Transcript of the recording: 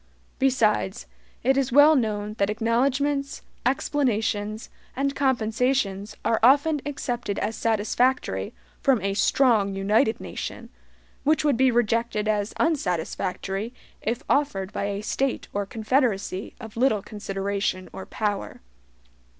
Besides, it is well known that acknowledgments, explanations, and compensations are often accepted as satisfactory from a strong united nation, which would be rejected as unsatisfactory if offered by a State or confederacy of little consideration or power.